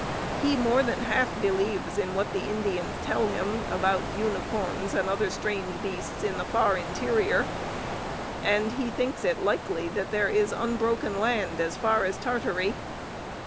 He more than half believes in what the Indians tell him about unicorns and other strange beasts in the far interior. And he thinks it likely that there is unbroken land as far as Tartary.